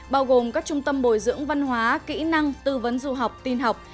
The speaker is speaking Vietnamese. bao gồm các trung tâm bồi dưỡng văn hóa kỹ năng tư vấn du học tin học